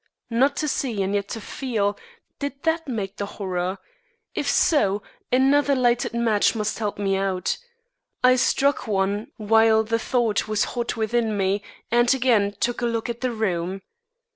Not to see and yet to feel did that make the horror? If so, another lighted match must help me out. I struck one while the thought was hot within me, and again took a look at the room.